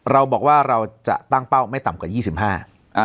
เราบอกว่าเราจะตั้งเป้าไม่ต่ำกว่ายี่สิบห้า